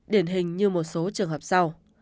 điển hình như một số trường hợp sau